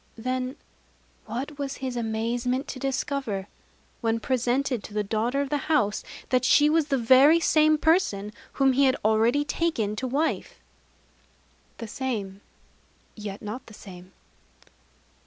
Then what was his amazement to discover, when presented to the daughter of the house, that she was the very same person whom he had already taken to wife! _The same, yet not the same.